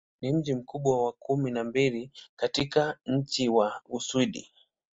Ni mji mkubwa wa kumi na mbili katika nchi wa Uswidi.